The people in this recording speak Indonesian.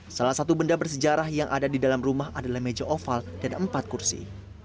salah satu benda bersejarah yang ada di dalam rumah adalah meja oval dan empat kursi